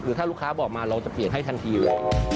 ถ้าลูกค้าบอกมาเราจะเปลี่ยนให้ทันทีเลย